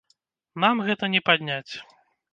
Нам гэта не падняць.